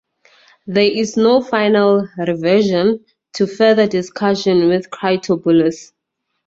There is no final reversion to further discussion with Critoboulos.